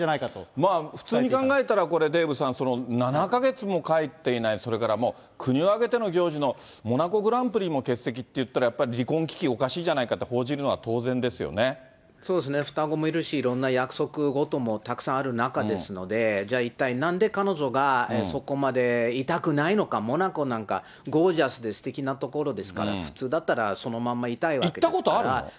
まあ普通に考えたらこれ、デーブさん、７か月も帰っていない、それからもう国を挙げての行事のモナコグランプリも欠席っていったら、やっぱり離婚危機、おかしいじゃないかって報じるのは、そうですね、双子もいるし、いろんな約束事もたくさんある中ですので、じゃあ一体なんで彼女がそこまでいたくないのか、モナコなんかゴージャスですてきな所ですから、普通だったら、そ行ったことあるの？